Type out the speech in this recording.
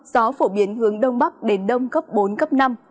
gió phổ biến hướng đông bắc đến đông cấp bốn cấp năm